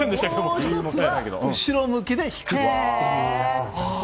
もう１つは後ろ向きで弾くというものです。